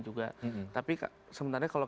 juga tapi sebenarnya kalau